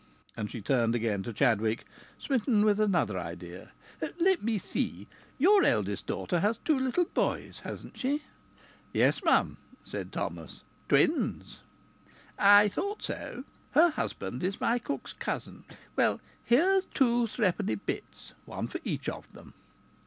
And she turned again to Chadwick, smitten with another idea. "Let me see. Your eldest daughter has two little boys, hasn't she?" "Yes'm," said Thomas "twins." "I thought so. Her husband is my cook's cousin. Well, here's two threepenny bits one for each of them."